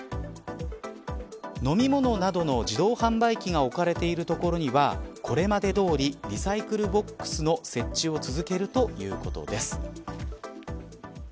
飲み物などの自動販売機が置かれている所にはこれまでどおりリサイクルボックスの設置を続けるということです。